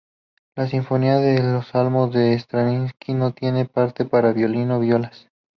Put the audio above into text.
La "Sinfonía de los Salmos" de Stravinski no tiene parte para violín o violas.